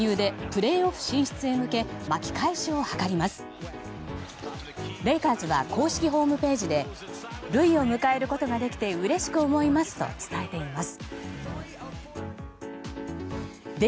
レイカーズは公式ホームページでルイを迎えることができてうれしく思いますと伝えています。